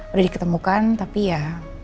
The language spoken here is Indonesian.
udah diketemukan tapi ya